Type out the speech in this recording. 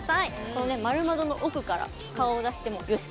この丸窓の奥から顔を出してもよし。